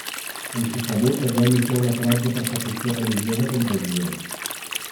Amb Sisebut es va iniciar una ferotge persecució religiosa contra els jueus.